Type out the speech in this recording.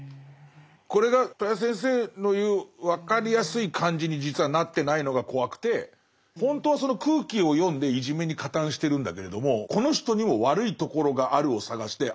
これが戸谷先生の言う分かりやすい感じに実はなってないのが怖くてほんとはその空気を読んでいじめに加担してるんだけれどもこの人にも悪いところがあるを探してああ